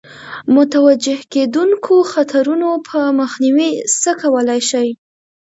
متوجه کېدونکو خطرونو په مخنیوي څه کولای شي.